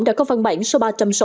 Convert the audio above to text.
đã có văn bản số ba trăm sáu mươi